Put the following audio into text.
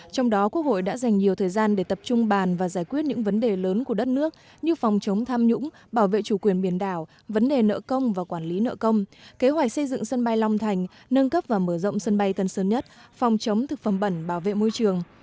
trong đó quốc hội đã dành nhiều thời gian để tập trung bàn và giải quyết những vấn đề lớn của đất nước như phòng chống tham nhũng bảo vệ chủ quyền biển đảo vấn đề nợ công và quản lý nợ công kế hoạch xây dựng sân bay long thành nâng cấp và mở rộng sân bay tân sơn nhất phòng chống thực phẩm bẩn bảo vệ môi trường